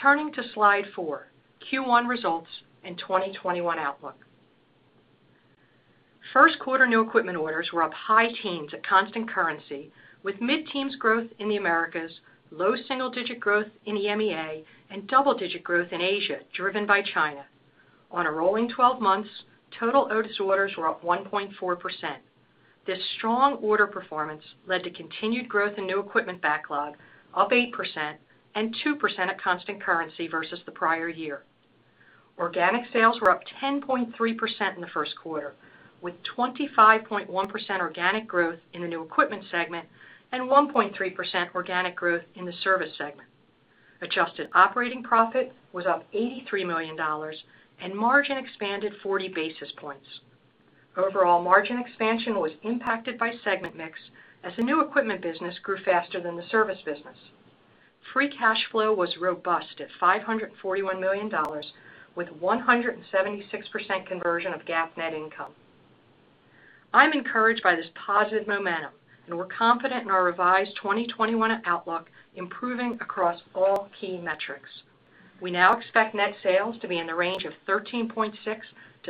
Turning to slide four, Q1 results and 2021 outlook. First quarter new equipment orders were up high teens at constant currency, with mid-teens growth in the Americas, low single-digit growth in EMEA, and double-digit growth in Asia, driven by China. On a rolling 12 months, total Otis orders were up 1.4%. This strong order performance led to continued growth in new equipment backlog, up 8% and 2% at constant currency versus the prior year. Organic sales were up 10.3% in the first quarter, with 25.1% organic growth in the new equipment segment and 1.3% organic growth in the service segment. Adjusted operating profit was up $83 million, and margin expanded 40 basis points. Overall, margin expansion was impacted by segment mix as the new equipment business grew faster than the service business. Free cash flow was robust at $541 million, with 176% conversion of GAAP net income. I'm encouraged by this positive momentum and we're confident in our revised 2021 outlook improving across all key metrics. We now expect net sales to be in the range of $13.6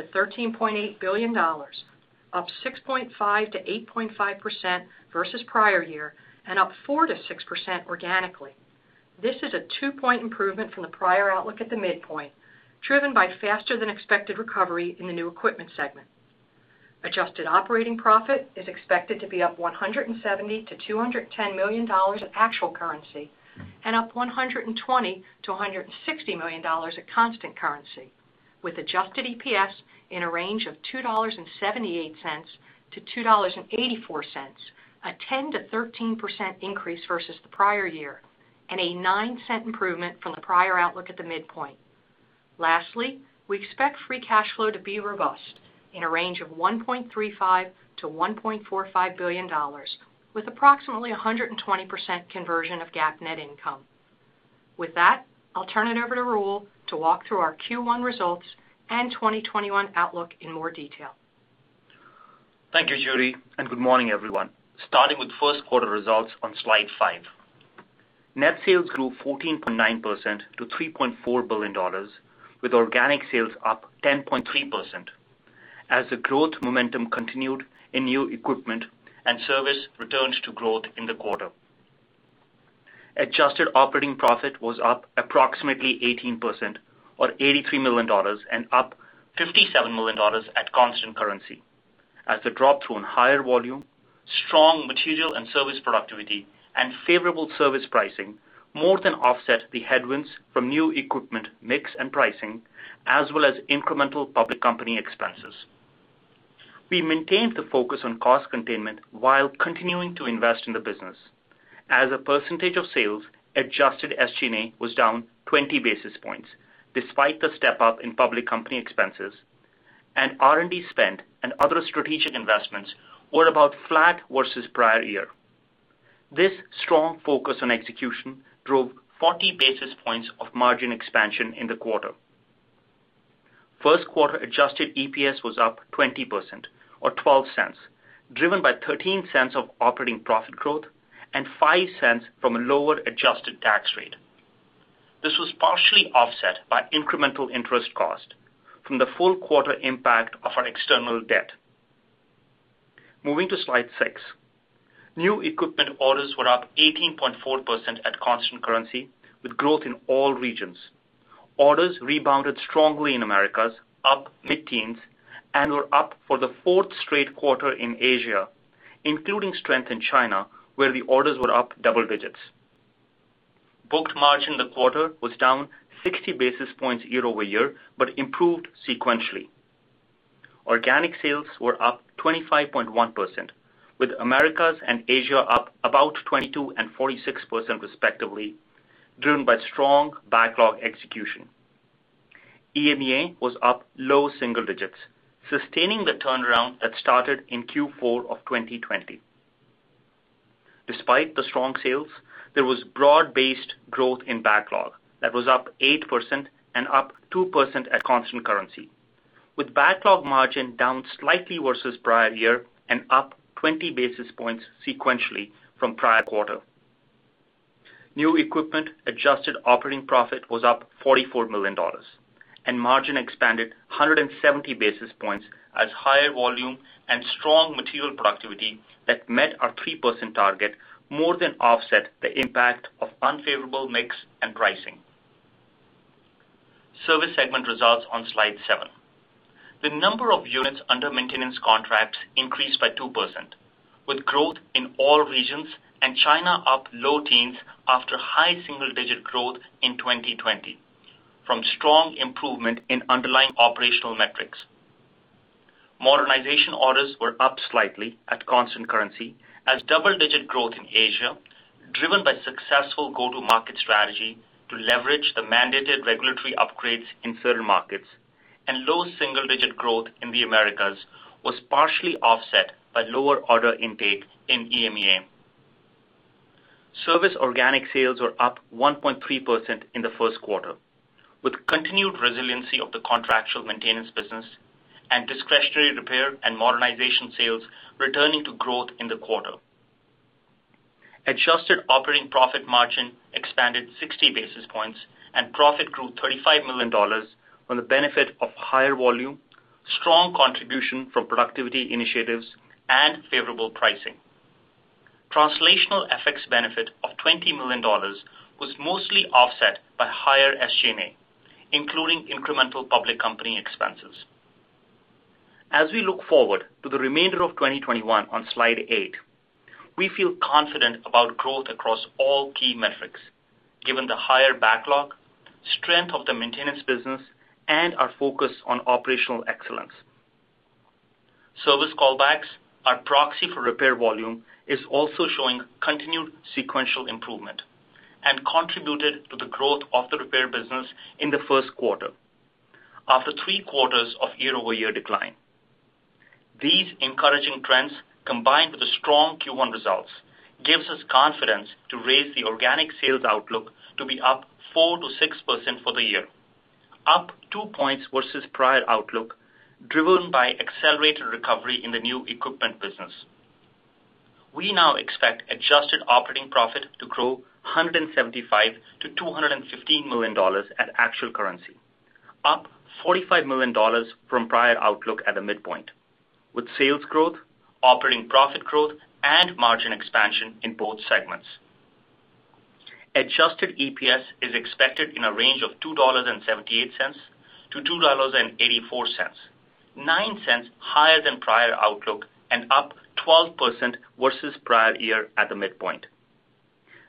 billion-$13.8 billion, up 6.5%-8.5% versus prior year, and up 4%-6% organically. This is a two-point improvement from the prior outlook at the midpoint, driven by faster than expected recovery in the new equipment segment. Adjusted operating profit is expected to be up $170 million-$210 million at actual currency and up $120 million-$160 million at constant currency. With adjusted EPS in a range of $2.78-$2.84, a 10%-13% increase versus the prior year, and a $0.09 improvement from the prior outlook at the midpoint. Lastly, we expect free cash flow to be robust in a range of $1.35 billion-$1.45 billion, with approximately 120% conversion of GAAP net income. With that, I'll turn it over to Rahul to walk through our Q1 results and 2021 outlook in more detail. Thank you, Judy, and good morning, everyone. Starting with first quarter results on slide five. Net sales grew 14.9% to $3.4 billion, with organic sales up 10.3%. As the growth momentum continued in new equipment and service returned to growth in the quarter. Adjusted operating profit was up approximately 18% or $83 million and up $57 million at constant currency. As the drop through on higher volume, strong material and service productivity, and favorable service pricing more than offset the headwinds from new equipment mix and pricing, as well as incremental public company expenses. We maintained the focus on cost containment while continuing to invest in the business. As a percentage of sales, adjusted SG&A was down 20 basis points despite the step-up in public company expenses, and R&D spend and other strategic investments were about flat versus prior year. This strong focus on execution drove 40 basis points of margin expansion in the quarter. First quarter adjusted EPS was up 20% or $0.12, driven by $0.13 of operating profit growth and $0.05 from a lower adjusted tax rate. This was partially offset by incremental interest cost from the full quarter impact of our external debt. Moving to slide six. New equipment orders were up 18.4% at constant currency, with growth in all regions. Orders rebounded strongly in Americas, up mid-teens, and were up for the fourth straight quarter in Asia, including strength in China, where the orders were up double digits. Booked margin in the quarter was down 60 basis points year-over-year, but improved sequentially. Organic sales were up 25.1%, with Americas and Asia up about 22% and 46% respectively, driven by strong backlog execution. EMEA was up low single digits, sustaining the turnaround that started in Q4 of 2020. Despite the strong sales, there was broad-based growth in backlog that was up 8% and up 2% at constant currency, with backlog margin down slightly versus prior year and up 20 basis points sequentially from prior quarter. New equipment adjusted operating profit was up $44 million, and margin expanded 170 basis points as higher volume and strong material productivity that met our 3% target more than offset the impact of unfavorable mix and pricing. Service segment results on slide seven. The number of units under maintenance contracts increased by 2%, with growth in all regions and China up low teens after high single-digit growth in 2020 from strong improvement in underlying operational metrics. Modernization orders were up slightly at constant currency as double-digit growth in Asia, driven by successful go-to-market strategy to leverage the mandated regulatory upgrades in certain markets, and low single-digit growth in the Americas was partially offset by lower order intake in EMEA. Service organic sales were up 1.3% in the first quarter, with continued resiliency of the contractual maintenance business and discretionary repair and modernization sales returning to growth in the quarter. Adjusted operating profit margin expanded 60 basis points, and profit grew $35 million from the benefit of higher volume, strong contribution from productivity initiatives, and favorable pricing. Translational FX benefit of $20 million was mostly offset by higher SG&A, including incremental public company expenses. As we look forward to the remainder of 2021 on slide eight, we feel confident about growth across all key metrics, given the higher backlog, strength of the maintenance business, and our focus on operational excellence. Service callbacks, our proxy for repair volume, is also showing continued sequential improvement and contributed to the growth of the repair business in the first quarter after three quarters of year-over-year decline. These encouraging trends, combined with the strong Q1 results, gives us confidence to raise the organic sales outlook to be up 4%-6% for the year, up two points versus prior outlook, driven by accelerated recovery in the new equipment business. We now expect adjusted operating profit to grow $175 million-$215 million at actual currency, up $45 million from prior outlook at the midpoint, with sales growth, operating profit growth, and margin expansion in both segments. Adjusted EPS is expected in a range of $2.78-$2.84, $0.09 higher that prior outlook and up 12% versus prior year at the midpoint.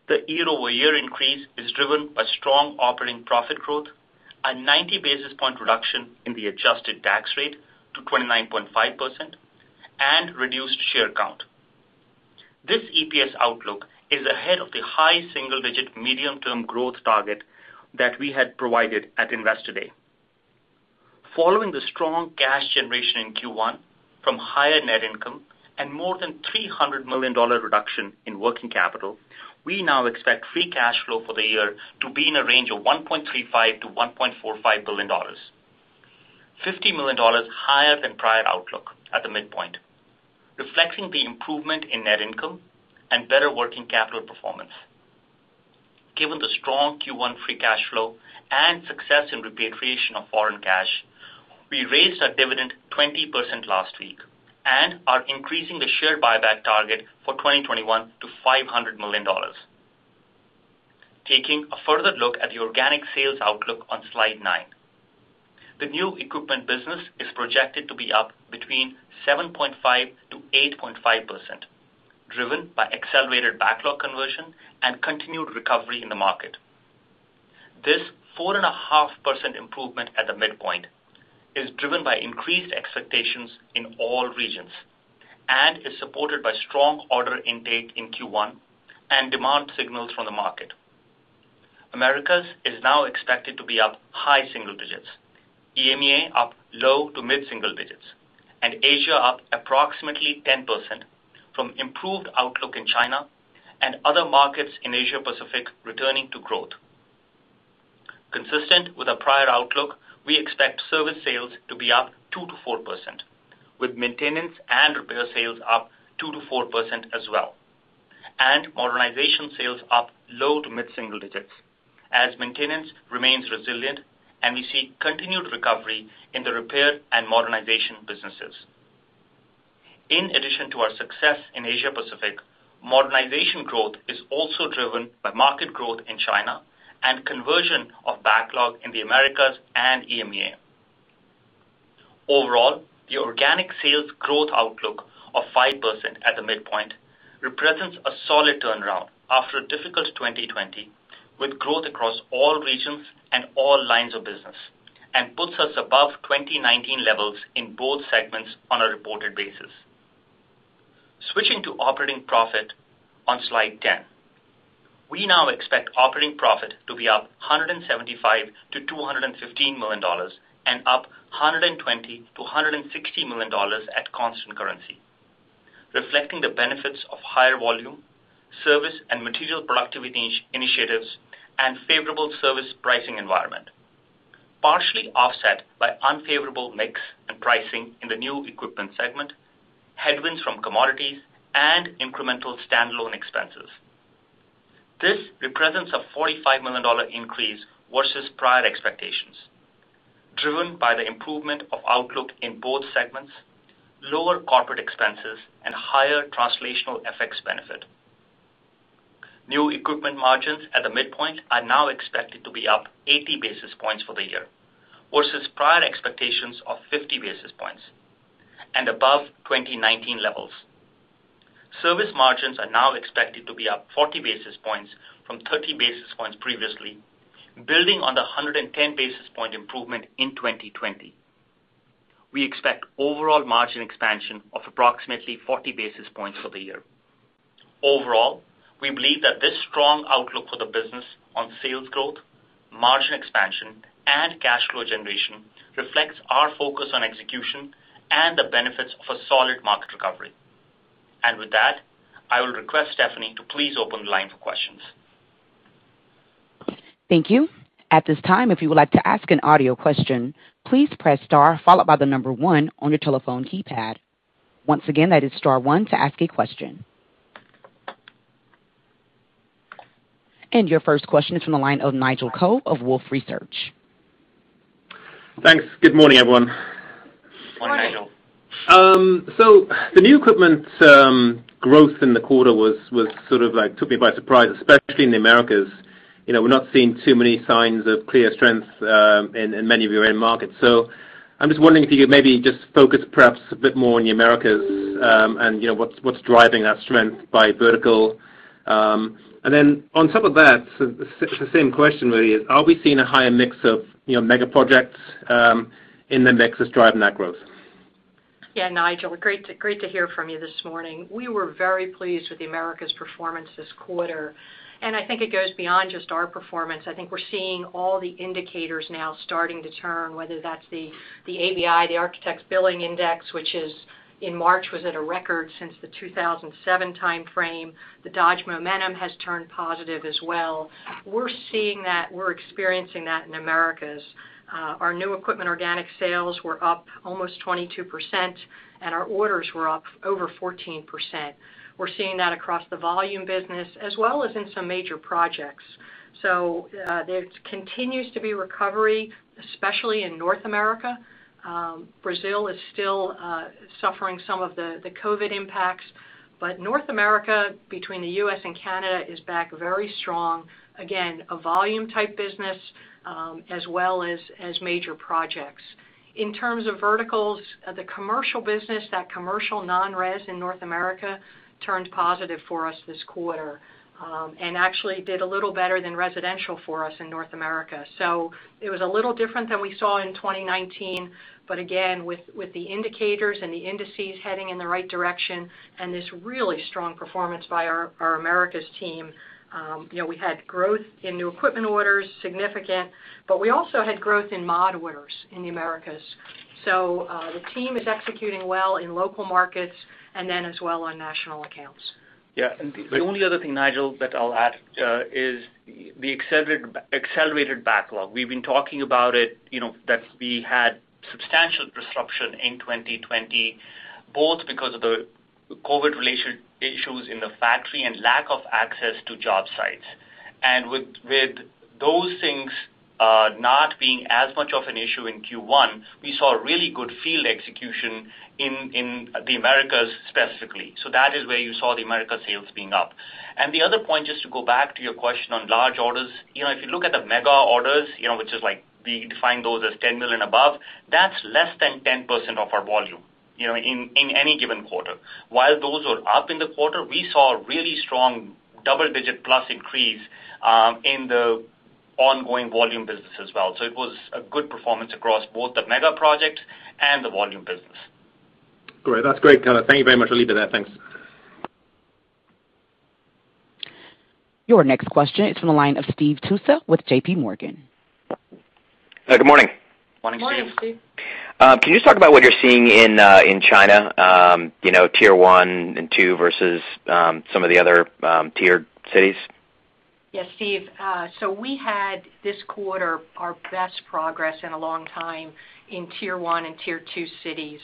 The year-over-year increase is driven by strong operating profit growth, a 90-basis-point reduction in the adjusted tax rate to 29.5%, and reduced share count. This EPS outlook is ahead of the high single-digit medium-term growth target that we had provided at Investor Day. Following the strong cash generation in Q1 from higher net income and more than $300 million reduction in working capital, we now expect free cash flow for the year to be in a range of $1.35 billion-$1.45 billion, $50 million higher than prior outlook at the midpoint, reflecting the improvement in net income and better working capital performance. Given the strong Q1 free cash flow and success in repatriation of foreign cash, we raised our dividend 20% last week and are increasing the share buyback target for 2021 to $500 million. Taking a further look at the organic sales outlook on slide nine. The new equipment business is projected to be up between 7.5%-8.5%, driven by accelerated backlog conversion and continued recovery in the market. This 4.5% improvement at the midpoint is driven by increased expectations in all regions and is supported by strong order intake in Q1 and demand signals from the market. Americas is now expected to be up high-single digits, EMEA up low to mid-single digits, and Asia up approximately 10% from improved outlook in China and other markets in Asia-Pacific returning to growth. Consistent with our prior outlook, we expect service sales to be up 2%-4%, with maintenance and repair sales up 2%-4% as well, and modernization sales up low to mid-single digits as maintenance remains resilient and we see continued recovery in the repair and modernization businesses. In addition to our success in Asia-Pacific, modernization growth is also driven by market growth in China and conversion of backlog in the Americas and EMEA. Overall, the organic sales growth outlook of 5% at the midpoint represents a solid turnaround after a difficult 2020 with growth across all regions and all lines of business and puts us above 2019 levels in both segments on a reported basis. Switching to operating profit on slide 10. We now expect operating profit to be up $175 million-$215 million and up $120 million-$160 million at constant currency, reflecting the benefits of higher volume, service and material productivity initiatives, and favorable service pricing environment, partially offset by unfavorable mix and pricing in the new equipment segment, headwinds from commodities, and incremental standalone expenses. This represents a $45 million increase versus prior expectations, driven by the improvement of outlook in both segments, lower corporate expenses, and higher translational FX benefit. New equipment margins at the midpoint are now expected to be up 80 basis points for the year versus prior expectations of 50 basis points and above 2019 levels. Service margins are now expected to be up 40 basis points from 30 basis points previously, building on the 110-basis-point improvement in 2020. We expect overall margin expansion of approximately 40 basis points for the year. Overall, we believe that this strong outlook for the business on sales growth, margin expansion, and cash flow generation reflects our focus on execution and the benefits of a solid market recovery. With that, I will request Stephanie to please open the line for questions. Thank you. At this time, if you would like to ask an audio question, please press star followed by the number one on your telephone keypad. Once again, that is star one to ask a question. Your first question is from the line of Nigel Coe of Wolfe Research. Thanks. Good morning, everyone. Morning, Nigel. Morning Nigel The new equipment growth in the quarter took me by surprise, especially in the Americas. We're not seeing too many signs of clear strength in many of your end markets. I'm just wondering if you could maybe just focus perhaps a bit more on the Americas, and what's driving that strength by vertical. Then on top of that, the same question really is, are we seeing a higher mix of mega projects in the mix that's driving that growth? Yeah, Nigel. Great to hear from you this morning. We were very pleased with the Americas performance this quarter, and I think it goes beyond just our performance. I think we're seeing all the indicators now starting to turn, whether that's the ABI, the Architectural Billings Index, which is in March, was at a record since the 2007 timeframe. The Dodge Momentum has turned positive as well. We're seeing that, we're experiencing that in Americas. Our new equipment organic sales were up almost 22%, and our orders were up over 14%. There continues to be recovery, especially in North America. Brazil is still suffering some of the COVID impacts, but North America, between the U.S. and Canada, is back very strong. Again, a volume type business, as well as major projects. In terms of verticals, the commercial business, that commercial non-res in North America turned positive for us this quarter. Actually did a little better than residential for us in North America. It was a little different than we saw in 2019, but again, with the indicators and the indices heading in the right direction and this really strong performance by our Americas team, we had growth in new equipment orders, significant, but we also had growth in mod orders in the Americas. The team is executing well in local markets and then as well on national accounts. Yeah. The only other thing, Nigel, that I'll add, is the accelerated backlog. We've been talking about it, that we had substantial disruption in 2020, both because of the COVID-related issues in the factory and lack of access to job sites. With those things not being as much of an issue in Q1, we saw really good field execution in the Americas specifically. That is where you saw the Americas sales being up. The other point, just to go back to your question on large orders, if you look at the mega orders, which is like we define those as $10 million above, that is less than 10% of our volume in any given quarter. While those were up in the quarter, we saw a really strong double-digit plus increase in the ongoing volume business as well. It was a good performance across both the mega project and the volume business. Great. That's great color. Thank you very much. I'll leave it there. Thanks. Your next question is from the line of Steve Tusa with JPMorgan. Good morning. Morning, Steve. Morning Steve. Can you just talk about what you're seeing in China, Tier 1 and 2 versus some of the other tiered cities? Yeah, Steve. We had this quarter our best progress in a long time in Tier 1 and Tier 2 cities.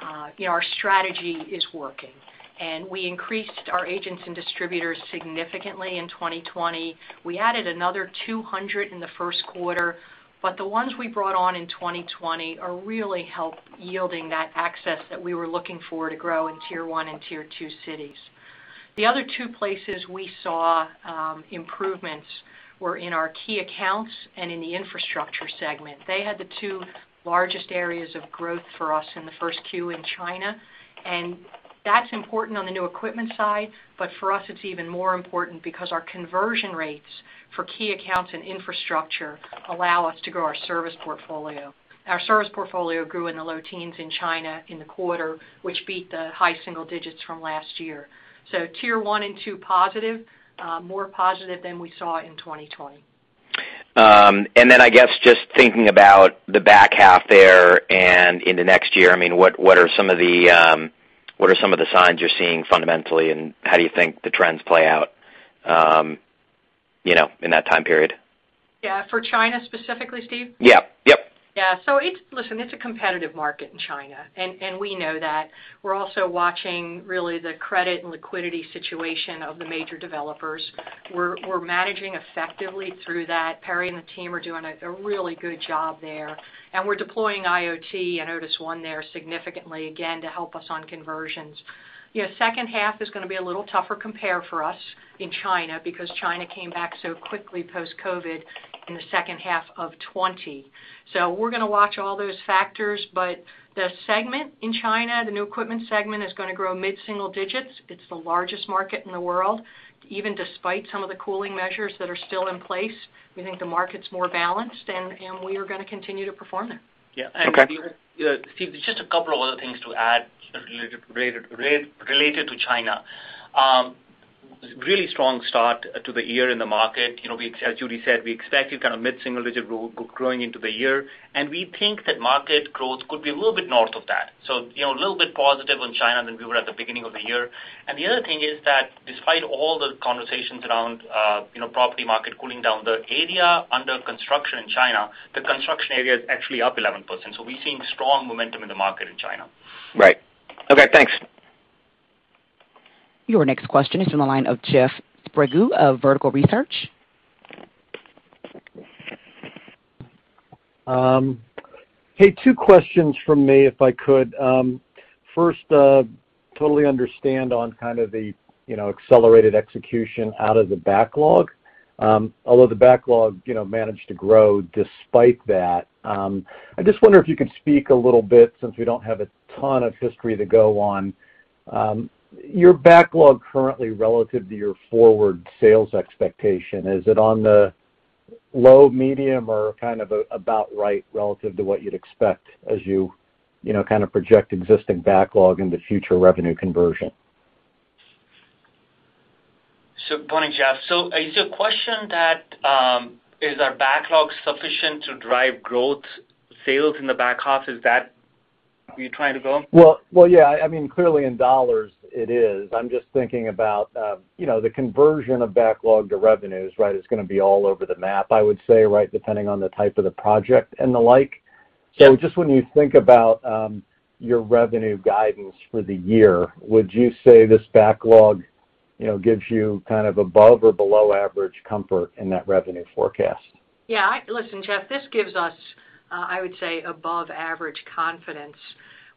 Our strategy is working. We increased our agents and distributors significantly in 2020. We added another 200 in the first quarter. But the ones we brought on in 2020 are really help yielding that access that we were looking for to grow in Tier 1 and Tier 2 cities. The other two places we saw improvements were in our key accounts and in the infrastructure segment. They had the two largest areas of growth for us in the first Q in China. That's important on the new equipment side. But for us, it's even more important because our conversion rates for key accounts and infrastructure allow us to grow our service portfolio. Our service portfolio grew in the low teens in China in the quarter, which beat the high-single digits from last year. Tier 1 and 2 positive, more positive than we saw in 2020. I guess just thinking about the back half there and in the next year, what are some of the signs you're seeing fundamentally, and how do you think the trends play out in that time period? Yeah. For China specifically, Steve? Yeah. Listen, it's a competitive market in China. We know that. We're also watching really the credit and liquidity situation of the major developers. We're managing effectively through that. Peiming and the team are doing a really good job there. We're deploying IoT and Otis ONE there significantly again to help us on conversions. Second half is going to be a little tougher compare for us in China because China came back so quickly post-COVID in the second half of 2020. We're going to watch all those factors, but the segment in China, the new equipment segment, is going to grow mid-single digits. It's the largest market in the world. Even despite some of the cooling measures that are still in place, we think the market's more balanced. We are going to continue to perform there. Okay. Yeah. Steve, just a couple of other things to add related to China. Really strong start to the year in the market. As Judy said, we expected kind of mid-single digit growing into the year, and we think that market growth could be a little bit north of that. A little bit positive on China than we were at the beginning of the year. Despite all the conversations around property market cooling down, the area under construction in China, the construction area is actually up 11%. We're seeing strong momentum in the market in China. Right. Okay, thanks. Your next question is in the line of Jeff Sprague of Vertical Research. Hey, two questions from me, if I could. First, totally understand on kind of the accelerated execution out of the backlog. The backlog managed to grow despite that. I just wonder if you could speak a little bit, since we don't have a ton of history to go on, your backlog currently relative to your forward sales expectation, is it on the low, medium, or kind of about right relative to what you'd expect as you kind of project existing backlog into future revenue conversion? Good morning, Jeff. Is your question that is our backlog sufficient to drive growth sales in the back half? Is that where you're trying to go? Well, yeah, clearly in dollars it is. I'm just thinking about the conversion of backlog to revenues, right, is going to be all over the map, I would say, right, depending on the type of the project and the like. Just when you think about your revenue guidance for the year, would you say this backlog gives you kind of above or below average comfort in that revenue forecast? Yeah. Listen, Jeff, this gives us, I would say, above average confidence.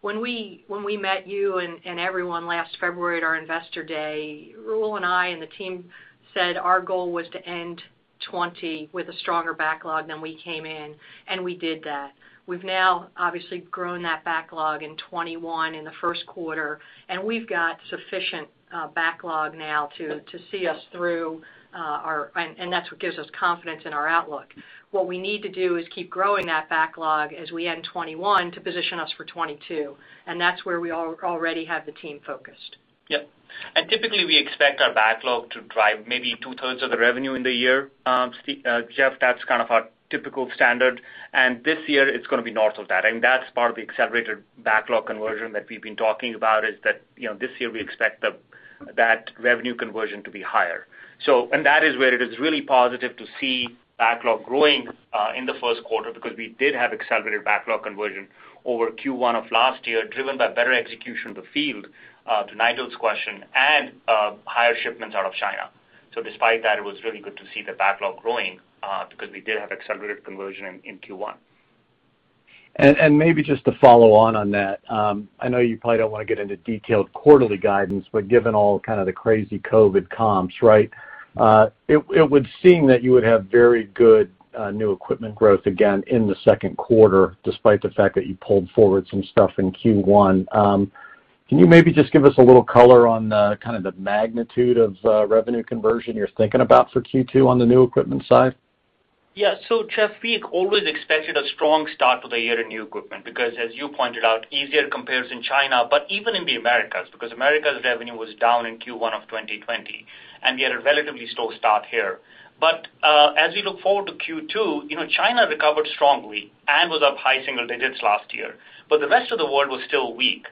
When we met you and everyone last February at our Investor Day, Rahul and I and the team said our goal was to end 2020 with a stronger backlog than we came in, and we did that. We've now obviously grown that backlog in 2021, in the first quarter, and we've got sufficient backlog now to see us through, and that's what gives us confidence in our outlook. What we need to do is keep growing that backlog as we end 2021 to position us for 2022, and that's where we already have the team focused. Yep. Typically, we expect our backlog to drive maybe 2/3 of the revenue in the year. Jeff, that's kind of our typical standard. This year it's going to be north of that, and that's part of the accelerated backlog conversion that we've been talking about, is that this year we expect that revenue conversion to be higher. That is where it is really positive to see backlog growing in the first quarter because we did have accelerated backlog conversion over Q1 of last year driven by better execution in the field, to Nigel's question, and higher shipments out of China. Despite that, it was really good to see the backlog growing, because we did have accelerated conversion in Q1. Maybe just to follow on on that, I know you probably don't want to get into detailed quarterly guidance, but given all kind of the crazy COVID comps, right, it would seem that you would have very good new equipment growth again in the second quarter, despite the fact that you pulled forward some stuff in Q1. Can you maybe just give us a little color on the kind of the magnitude of revenue conversion you're thinking about for Q2 on the new equipment side? Yeah. Jeff, we've always expected a strong start to the year in new equipment because, as you pointed out, easier compares in China, but even in the Americas, because Americas revenue was down in Q1 of 2020, and we had a relatively slow start here. As we look forward to Q2, China recovered strongly and was up high-single digits last year, but the rest of the world was still weak.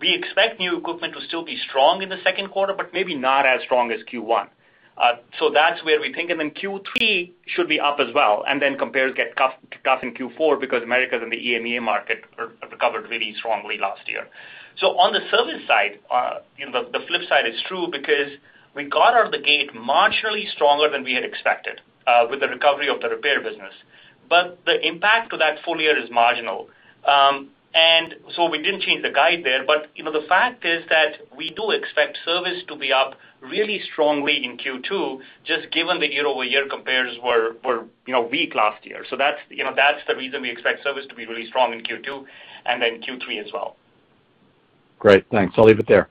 We expect new equipment to still be strong in the second quarter, but maybe not as strong as Q1. That's where we're thinking, Q3 should be up as well, and compares get tough in Q4 because Americas and the EMEA market recovered really strongly last year. On the service side, the flip side is true because we got out of the gate marginally stronger than we had expected, with the recovery of the repair business. The impact to that full year is marginal. We didn't change the guide there, but the fact is that we do expect service to be up really strongly in Q2, just given the year-over-year compares were weak last year. That's the reason we expect service to be really strong in Q2, and then Q3 as well. Great, thanks. I'll leave it there.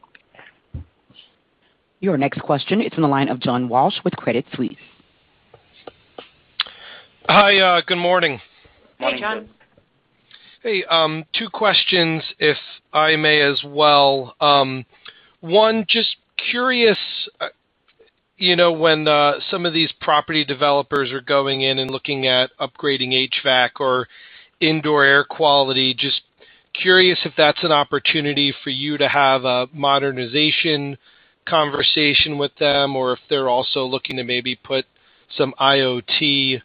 Your next question is on the line of John Walsh with Credit Suisse. Hi. Good morning. Morning, John. Morning, John. Hey, two questions if I may as well. One, just curious, when some of these property developers are going in and looking at upgrading HVAC or indoor air quality, just curious if that's an opportunity for you to have a modernization conversation with them, or if they're also looking to maybe put some IoT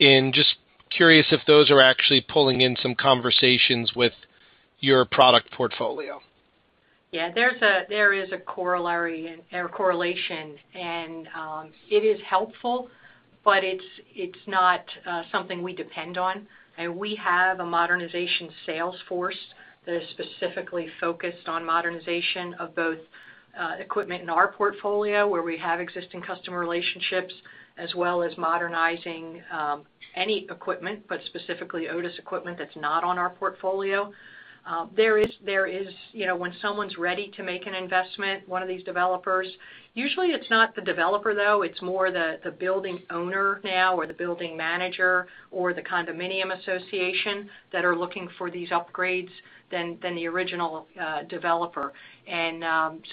in. Curious if those are actually pulling in some conversations with your product portfolio. Yeah, there is a correlation, and it is helpful, but it's not something we depend on. We have a modernization sales force that is specifically focused on modernization of both equipment in our portfolio where we have existing customer relationships, as well as modernizing any equipment, but specifically Otis equipment that's not on our portfolio. When someone's ready to make an investment, one of these developers, usually it's not the developer, though, it's more the building owner now, or the building manager or the condominium association that are looking for these upgrades than the original developer.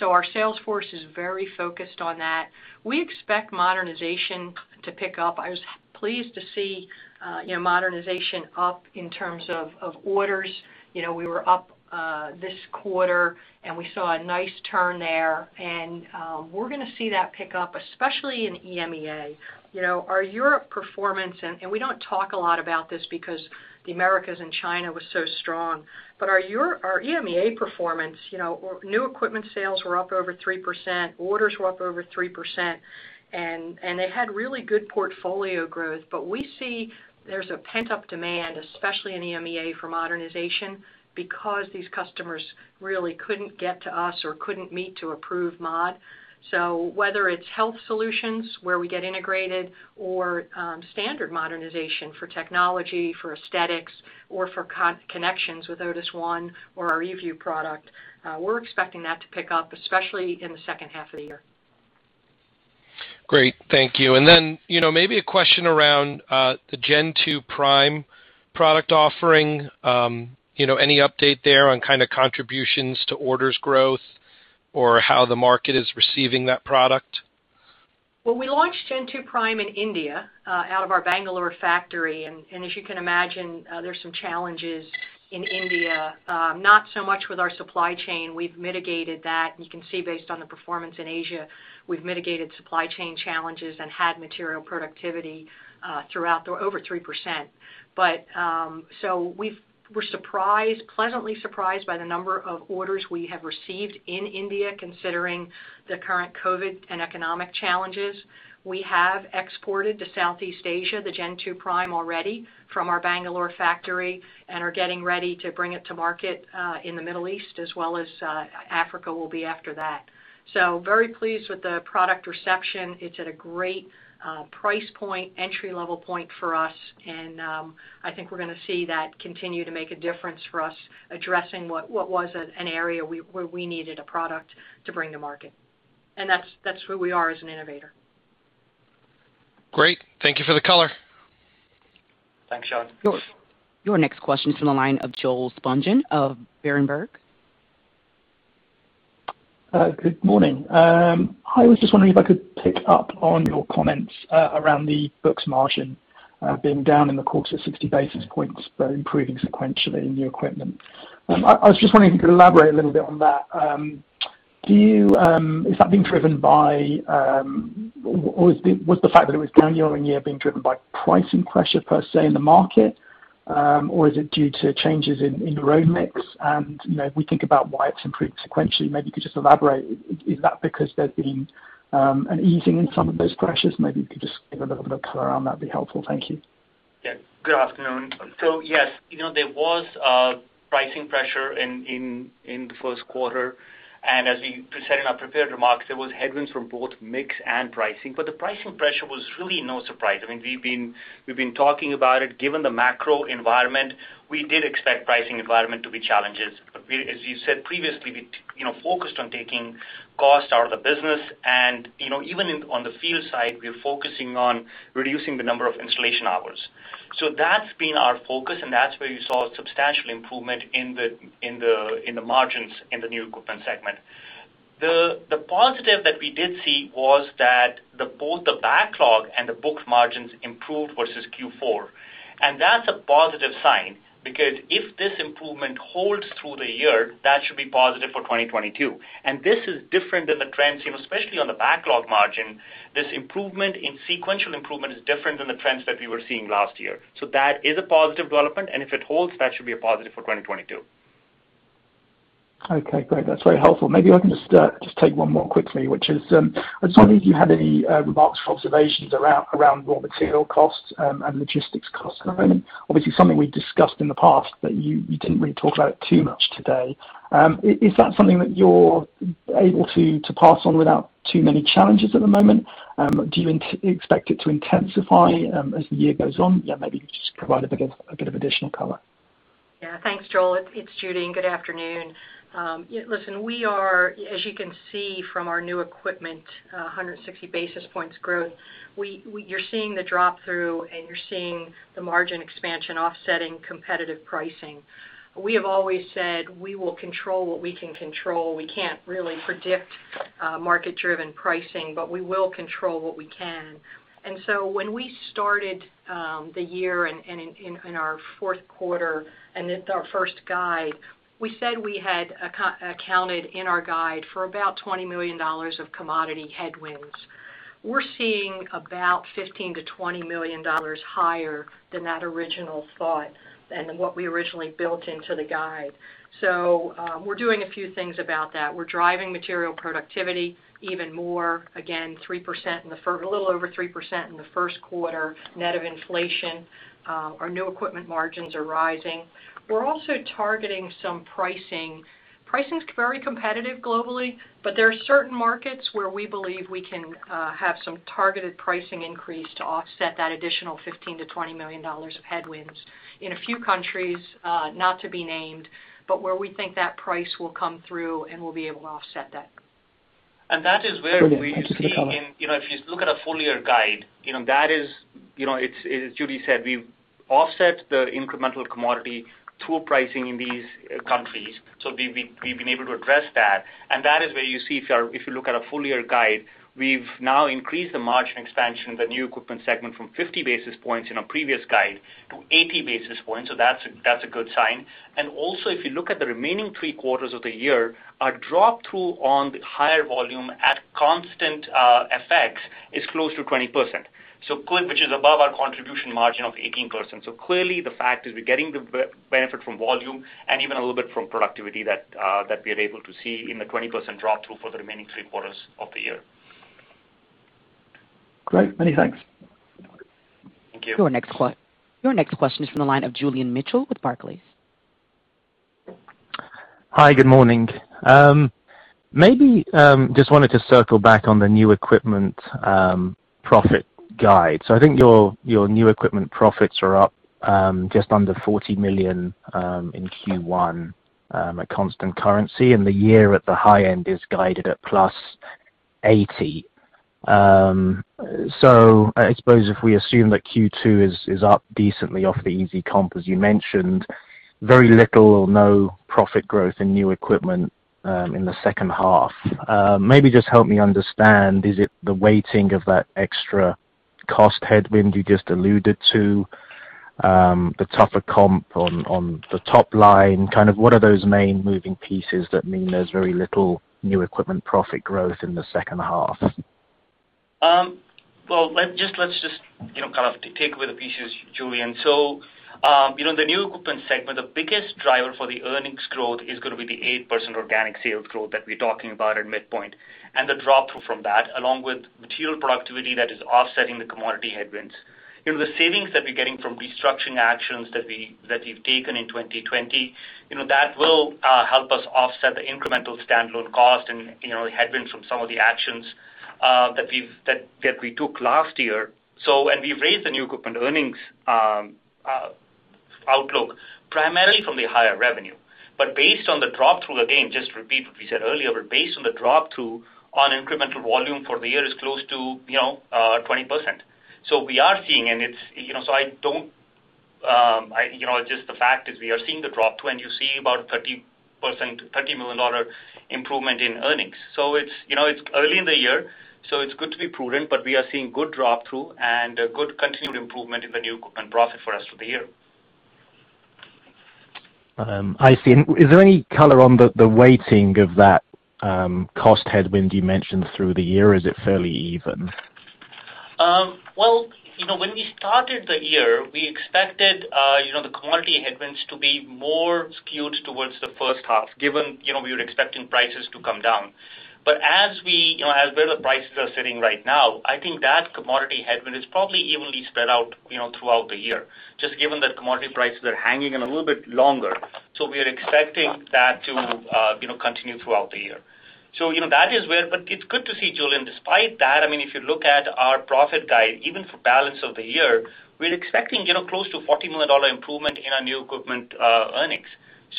Our sales force is very focused on that. We expect modernization to pick up. I was pleased to see modernization up in terms of orders. We were up this quarter, and we saw a nice turn there. We're going to see that pick up, especially in EMEA. Our Europe performance, we don't talk a lot about this because the Americas and China was so strong, our EMEA performance, new equipment sales were up over 3%, orders were up over 3%, and it had really good portfolio growth. We see there's a pent-up demand, especially in EMEA, for modernization because these customers really couldn't get to us or couldn't meet to approve mod. Whether it's health solutions where we get integrated or standard modernization for technology, for aesthetics, or for connections with Otis ONE or our eView product, we're expecting that to pick up, especially in the second half of the year. Great. Thank you. Maybe a question around the Gen2 Prime product offering. Any update there on kind of contributions to orders growth or how the market is receiving that product? Well, we launched Gen2 Prime in India out of our Bangalore factory. As you can imagine, there's some challenges in India. Not so much with our supply chain. We've mitigated that. You can see based on the performance in Asia, we've mitigated supply chain challenges and had material productivity throughout over 3%. We're pleasantly surprised by the number of orders we have received in India, considering the current COVID and economic challenges. We have exported to Southeast Asia the Gen2 Prime already from our Bangalore factory and are getting ready to bring it to market in the Middle East as well as Africa will be after that. Very pleased with the product reception. It's at a great price point, entry level point for us. I think we're going to see that continue to make a difference for us, addressing what was an area where we needed a product to bring to market. That's where we are as an innovator. Great. Thank you for the color. Thanks, John. Your next question is from the line of Joel Spungin of Berenberg. Good morning. I was just wondering if I could pick up on your comments around the bookings margin being down in the quarter 60 basis points, but improving sequentially in new equipment. I was just wondering if you could elaborate a little bit on that. Was the fact that it was down year-on-year being driven by pricing pressure per se in the market? Or is it due to changes in your own mix? If we think about why it's improved sequentially, maybe you could just elaborate. Is that because there's been an easing in some of those pressures? Maybe you could just give a little bit of color on that would be helpful. Thank you. Yeah. Good afternoon. Yes, there was pricing pressure in the first quarter. As we said in our prepared remarks, there was headwinds from both mix and pricing. The pricing pressure was really no surprise. I mean, we've been talking about it. Given the macro environment, we did expect pricing environment to be challenging. As you said previously, we focused on taking cost out of the business, and even on the field side, we're focusing on reducing the number of installation hours. That's been our focus, and that's where you saw substantial improvement in the margins in the new equipment segment. The positive that we did see was that both the backlog and the books margins improved versus Q4. That's a positive sign because if this improvement holds through the year, that should be positive for 2022. This is different than the trends, especially on the backlog margin. This improvement in sequential improvement is different than the trends that we were seeing last year. That is a positive development, and if it holds, that should be a positive for 2022. Okay, great. That's very helpful. Maybe I can just take one more quickly, which is, I was wondering if you had any remarks or observations around raw material costs and logistics costs at the moment. Obviously, something we discussed in the past, but you didn't really talk about it too much today. Is that something that you're able to pass on without too many challenges at the moment? Do you expect it to intensify as the year goes on? Yeah, maybe just provide a bit of additional color. Thanks, Joel. It's Judy. Good afternoon. Listen, as you can see from our new equipment, 160 basis points growth, you're seeing the drop through and you're seeing the margin expansion offsetting competitive pricing. We have always said we will control what we can control. We can't really predict market-driven pricing, but we will control what we can. When we started the year and in our fourth quarter and at our first guide, we said we had accounted in our guide for about $20 million of commodity headwinds. We're seeing about $15 million-$20 million higher than that original thought than what we originally built into the guide. We're doing a few things about that. We're driving material productivity even more. Again, a little over 3% in the first quarter net of inflation. Our new equipment margins are rising. We're also targeting some pricing. Pricing's very competitive globally, but there are certain markets where we believe we can have some targeted pricing increase to offset that additional $15 million-$20 million of headwinds in a few countries, not to be named, but where we think that price will come through and we'll be able to offset that. That is where we see in, if you look at a full-year guide, that is, as Judy said, we've offset the incremental commodity tool pricing in these countries. We've been able to address that, and that is where you see if you look at a full-year guide, we've now increased the margin expansion, the new equipment segment from 50 basis points in our previous guide to 80 basis points. That's a good sign. Also, if you look at the remaining three quarters of the year, our drop-through on the higher volume at constant FX is close to 20%. Clint, which is above our contribution margin of 18%. Clearly the fact is we're getting the benefit from volume and even a little bit from productivity that we are able to see in the 20% drop-through for the remaining three quarters of the year. Great. Many thanks. Thank you. Your next question is from the line of Julian Mitchell with Barclays. Hi, good morning. Just wanted to circle back on the new equipment profit guide. I think your new equipment profits are up just under $40 million in Q1 at constant currency, and the year at the high-end is guided at +$80 million. I suppose if we assume that Q2 is up decently off the easy comp, as you mentioned, very little or no profit growth in new equipment in the second half. Just help me understand, is it the weighting of that extra cost headwind you just alluded to, the tougher comp on the top line? What are those main moving pieces that mean there's very little new equipment profit growth in the second half? Well, let's just kind of take away the pieces, Julian. The new equipment segment, the biggest driver for the earnings growth is going to be the 8% organic sales growth that we're talking about at midpoint, and the drop through from that, along with material productivity that is offsetting the commodity headwinds. The savings that we're getting from restructuring actions that we've taken in 2020, that will help us offset the incremental standalone cost and the headwinds from some of the actions that we took last year. And we've raised the new equipment earnings outlook primarily from the higher revenue. Based on the drop through, again, just to repeat what we said earlier, but based on the drop-through on incremental volume for the year is close to 20%. We are seeing, and just the fact is we are seeing the drop-through and you see about 30% to $30 million improvement in earnings. It's early in the year, so it's good to be prudent, but we are seeing good drop-through and a good continued improvement in the new equipment profit for rest of the year. I see. Is there any color on the weighting of that cost headwind you mentioned through the year? Is it fairly even? When we started the year, we expected the commodity headwinds to be more skewed towards the first half, given we were expecting prices to come down. As where the prices are sitting right now, I think that commodity headwind is probably evenly spread out throughout the year, just given that commodity prices are hanging in a little bit longer. We are expecting that to continue throughout the year. That is where, but it's good to see, Julian, despite that, if you look at our profit guide, even for balance of the year, we're expecting close to $40 million improvement in our new equipment earnings.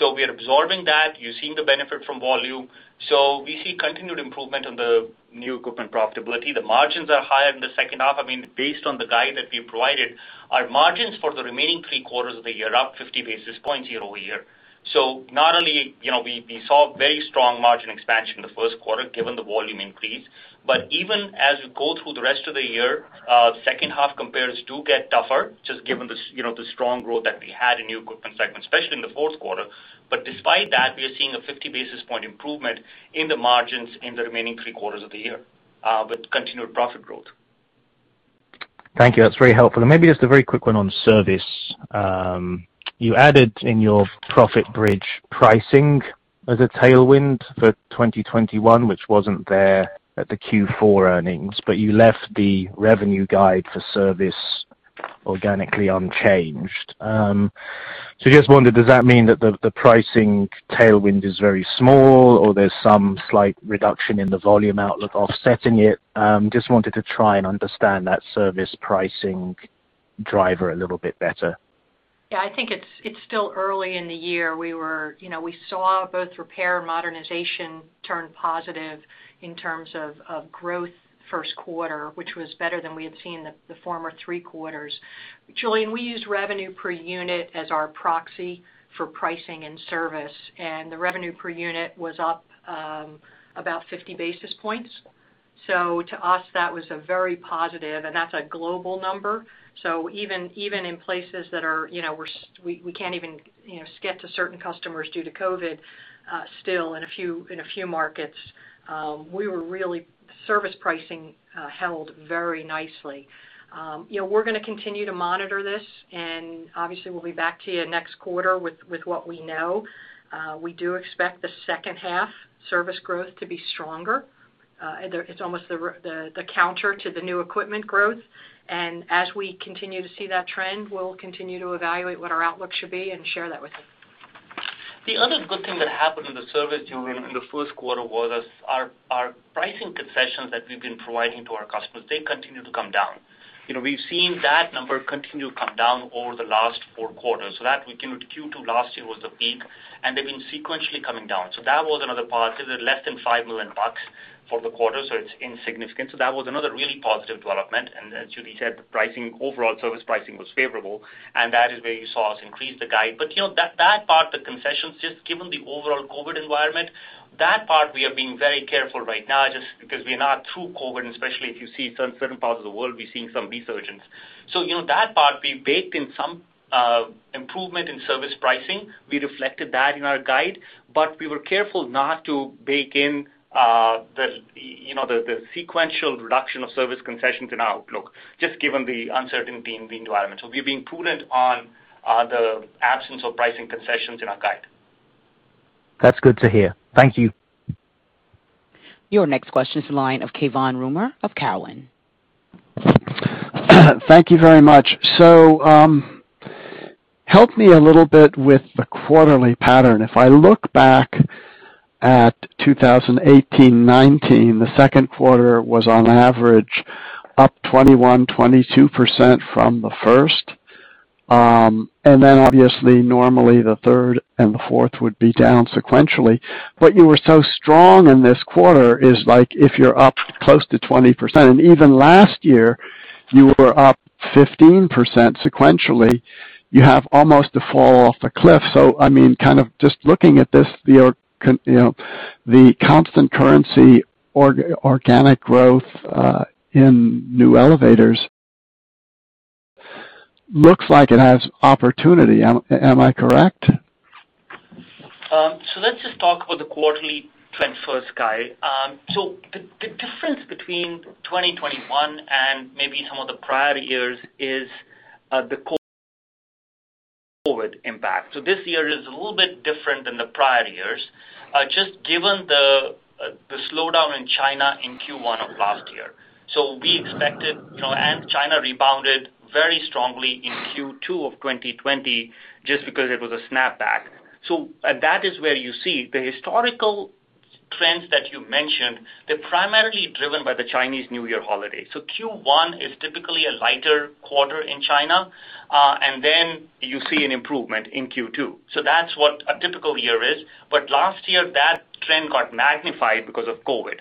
We are absorbing that. You're seeing the benefit from volume. We see continued improvement on the new equipment profitability. The margins are higher in the second half. Based on the guide that we provided, our margins for the remaining three quarters of the year are up 50 basis points year-over-year. Not only we saw very strong margin expansion in the first quarter given the volume increase, but even as we go through the rest of the year, second half compares do get tougher just given the strong growth that we had in new equipment segment, especially in the fourth quarter. Despite that, we are seeing a 50 basis point improvement in the margins in the remaining three quarters of the year, with continued profit growth. Thank you. That's very helpful. Maybe just a very quick one on service. You added in your profit bridge pricing as a tailwind for 2021, which wasn't there at the Q4 earnings, but you left the revenue guide for service organically unchanged. Just wondered, does that mean that the pricing tailwind is very small or there's some slight reduction in the volume outlook offsetting it? Just wanted to try and understand that service pricing driver a little bit better. Yeah, I think it's still early in the year. We saw both repair and modernization turn positive in terms of growth first quarter, which was better than we had seen the former three quarters. Julian, we use revenue per unit as our proxy for pricing and service, and the revenue per unit was up about 50 basis points. To us that was a very positive, and that's a global number. Even in places that we can't even get to certain customers due to COVID, still in a few markets, service pricing held very nicely. We're going to continue to monitor this, and obviously we'll be back to you next quarter with what we know. We do expect the second half service growth to be stronger. It's almost the counter to the new equipment growth. As we continue to see that trend, we'll continue to evaluate what our outlook should be and share that with you. The other good thing that happened in the service during the first quarter was our pricing concessions that we've been providing to our customers, they continue to come down. We've seen that number continue to come down over the last four quarters. That, Q2 last year was the peak, and they've been sequentially coming down. That was another positive, less than $5 million for the quarter, so it's insignificant. That was another really positive development. As Judy said, pricing, overall service pricing was favorable, and that is where you saw us increase the guide. That part, the concessions, just given the overall COVID environment, that part, we are being very careful right now just because we are not through COVID, and especially if you see certain parts of the world, we're seeing some resurgence. That part, we baked in some improvement in service pricing. We reflected that in our guide. We were careful not to bake in the sequential reduction of service concessions in our outlook, just given the uncertainty in the environment. We're being prudent on the absence of pricing concessions in our guide. That's good to hear. Thank you. Your next question is the line of Cai von Rumohr of Cowen. Thank you very much. Help me a little bit with the quarterly pattern. If I look back at 2018-2019, the second quarter was on average up 21%, 22% from the first. Obviously normally the third and the fourth would be down sequentially. What you were so strong in this quarter is like if you're up close to 20%, and even last year you were up 15% sequentially, you have almost a fall off a cliff. I mean, kind of just looking at this, the constant currency organic growth in new elevators looks like it has opportunity. Am I correct? Let's just talk about the quarterly trends first, Cai. The difference between 2021 and maybe some of the prior years is the COVID impact. This year is a little bit different than the prior years, just given the slowdown in China in Q1 of last year. We expected, and China rebounded very strongly in Q2 of 2020 just because it was a snapback. That is where you see the historical trends that you mentioned. They're primarily driven by the Chinese New Year holiday. Q1 is typically a lighter quarter in China, and then you see an improvement in Q2. That's what a typical year is. Last year, that trend got magnified because of COVID.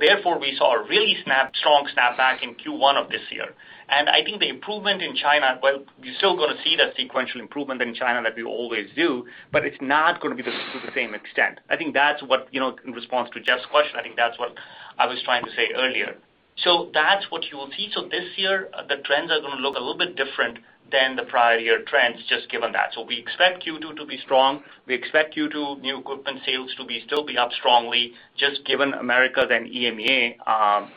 Therefore, we saw a really strong snapback in Q1 of this year. I think the improvement in China, well, we're still going to see that sequential improvement in China like we always do, but it's not going to be to the same extent. I think that's what, in response to Jeff's question, I think that's what I was trying to say earlier. That's what you will see. This year, the trends are going to look a little bit different than the prior year trends, just given that. We expect Q2 to be strong. We expect Q2 new equipment sales to be up strongly just given Americas and EMEA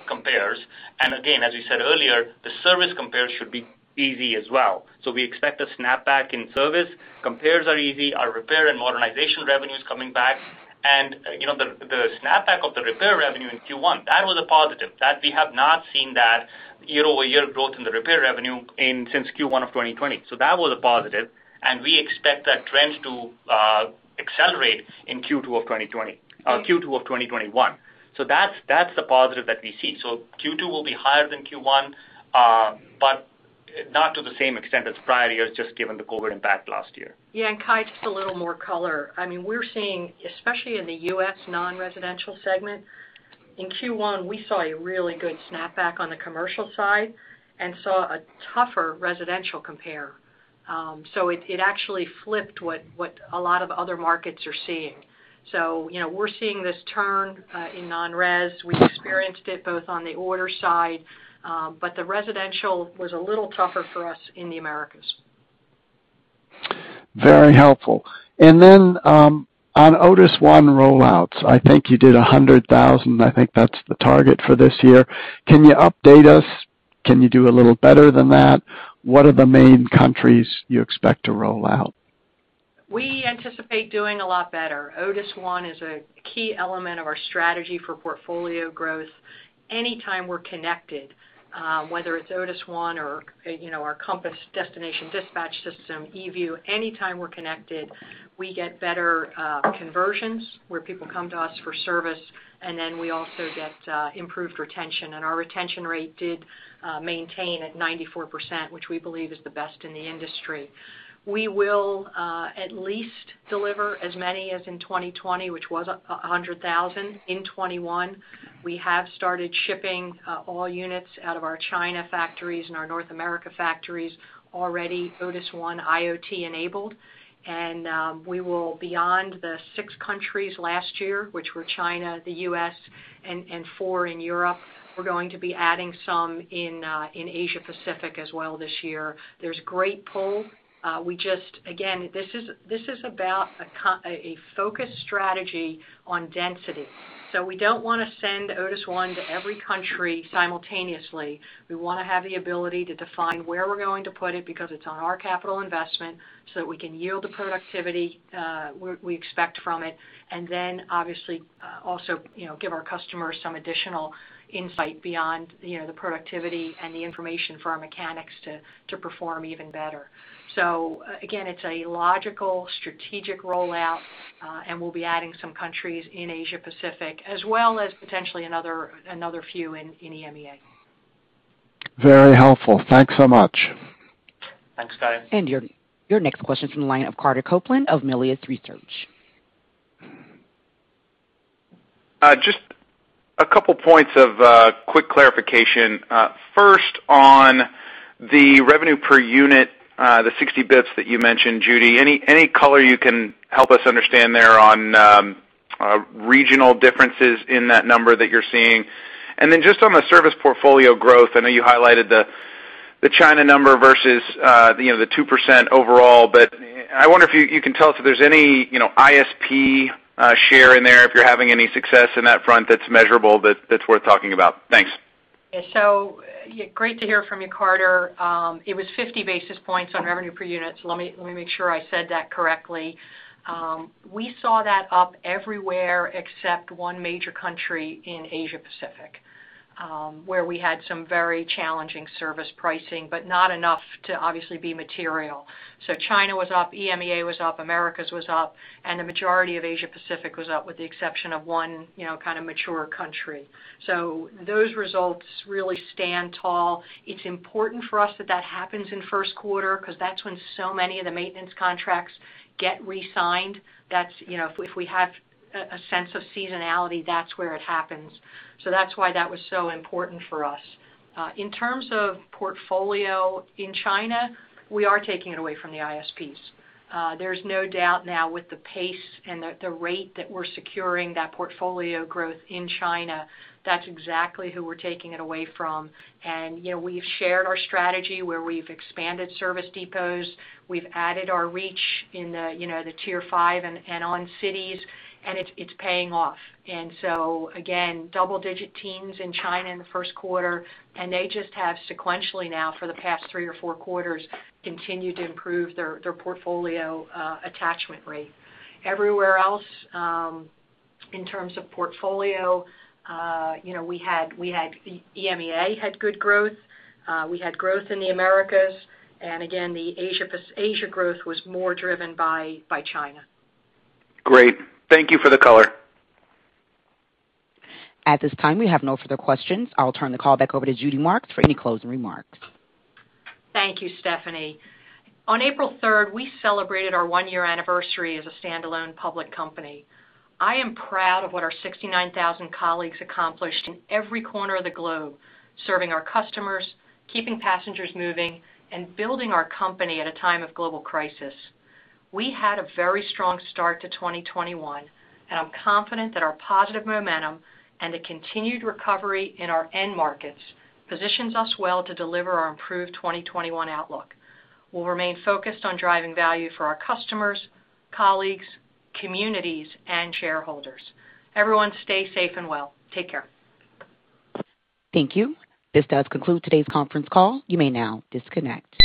compares. Again, as we said earlier, the service compares should be easy as well. We expect a snapback in service. Compares are easy. Our repair and modernization revenue's coming back. The snapback of the repair revenue in Q1, that was a positive. We have not seen that year-over-year growth in the repair revenue since Q1 of 2020. That was a positive, and we expect that trend to accelerate in Q2 of 2021. That's the positive that we see. Q2 will be higher than Q1, but not to the same extent as prior years, just given the COVID impact last year. Yeah. Cai, just a little more color. I mean, we're seeing, especially in the U.S. non-residential segment, in Q1, we saw a really good snapback on the commercial side and saw a tougher residential compare. It actually flipped what a lot of other markets are seeing. We're seeing this turn in non-res. We experienced it both on the order side, but the residential was a little tougher for us in the Americas. Very helpful. On Otis ONE rollouts, I think you did 100,000. I think that's the target for this year. Can you update us? Can you do a little better than that? What are the main countries you expect to roll out? We anticipate doing a lot better. Otis ONE is a key element of our strategy for portfolio growth. Anytime we're connected, whether it's Otis ONE or our Compass destination dispatch system, eView, anytime we're connected, we get better conversions where people come to us for service, and then we also get improved retention. Our retention rate did maintain at 94%, which we believe is the best in the industry. We will at least deliver as many as in 2020, which was 100,000 in 2021. We have started shipping all units out of our China factories and our North America factories already Otis ONE IoT-enabled. We will, beyond the six countries last year, which were China, the U.S., and four in Europe, we're going to be adding some in Asia Pacific as well this year. There's great pull. We just, again, this is about a focused strategy on density. We don't want to send Otis ONE to every country simultaneously. We want to have the ability to define where we're going to put it because it's on our capital investment so that we can yield the productivity we expect from it. Obviously also give our customers some additional insight beyond the productivity and the information for our mechanics to perform even better. Again, it's a logical strategic rollout, and we'll be adding some countries in Asia Pacific as well as potentially another few in EMEA. Very helpful. Thanks so much. Your next question is from the line of Carter Copeland of Melius Research. Just a couple points of quick clarification. First, on the revenue per unit, the 60 basis points that you mentioned, Judy, any color you can help us understand there on regional differences in that number that you're seeing? Just on the service portfolio growth, I know you highlighted the China number versus the 2% overall, but I wonder if you can tell us if there's any ISP share in there, if you're having any success in that front that's measurable, that's worth talking about. Thanks. Great to hear from you, Carter. It was 50 basis points on revenue per unit, so let me make sure I said that correctly. We saw that up everywhere except one major country in Asia Pacific, where we had some very challenging service pricing, but not enough to obviously be material. China was up, EMEA was up, Americas was up, and a majority of Asia Pacific was up, with the exception of one kind of mature country. Those results really stand tall. It's important for us that that happens in first quarter because that's when so many of the maintenance contracts get re-signed. If we have a sense of seasonality, that's where it happens. That's why that was so important for us. In terms of portfolio in China, we are taking it away from the ISPs. There's no doubt now with the pace and the rate that we're securing that portfolio growth in China, that's exactly who we're taking it away from. We've shared our strategy where we've expanded service depots. We've added our reach in the tier 5 and on cities, and it's paying off. Again, double-digit teens in China in the first quarter, and they just have sequentially now for the past three or four quarters continued to improve their portfolio attachment rate. Everywhere else, in terms of portfolio, EMEA had good growth. We had growth in the Americas. Again, the Asia growth was more driven by China. Great. Thank you for the color. At this time, we have no further questions. I'll turn the call back over to Judy Marks for any closing remarks. Thank you, Stephanie. On April 3rd, we celebrated our one-year anniversary as a standalone public company. I am proud of what our 69,000 colleagues accomplished in every corner of the globe, serving our customers, keeping passengers moving, and building our company at a time of global crisis. We had a very strong start to 2021, and I'm confident that our positive momentum and the continued recovery in our end markets positions us well to deliver our improved 2021 outlook. We'll remain focused on driving value for our customers, colleagues, communities, and shareholders. Everyone stay safe and well. Take care. Thank you. This does conclude today's conference call. You may now disconnect.